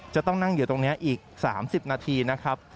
จะต้องนั่งอยู่ตรงนี้อีก๓๐นาทีนะครับ